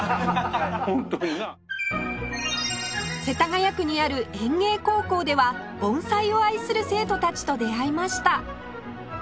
世田谷区にある園芸高校では盆栽を愛する生徒たちと出会いました